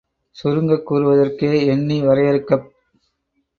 சுருங்கக் கூறுவதற்கே எண்ணி வரையறுக்கப்